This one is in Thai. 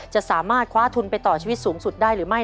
จะสามารถคว้าทุนไปต่อชีวิตสูงสุดได้หรือไม่